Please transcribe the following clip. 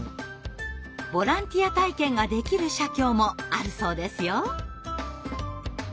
ボランティア体験ができる社協もあるそうですよ。